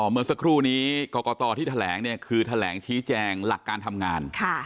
เมื่อสักครู่นี้กรกตที่แถลงเนี่ยคือแถลงชี้แจงหลักการทำงาน